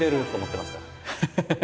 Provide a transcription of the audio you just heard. ハハハハ！